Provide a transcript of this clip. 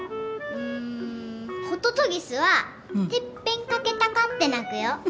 んホトトギスは「てっぺんかけたか」って鳴くよ。